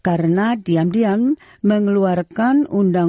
karena diam diam mengeluarkan undang undang